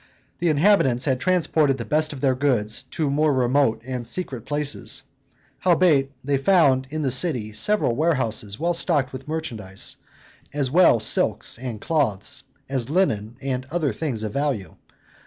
The inhabitants had transported the best of their goods to more remote and secret places; howbeit, they found in the city several warehouses well stocked with merchandise, as well silks and cloths, as linen and other things of value.